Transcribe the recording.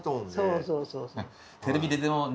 そうそうそうそう。